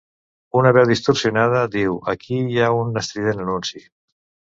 Una veu distorsionada diu Aquí hi ha un estrident anunci!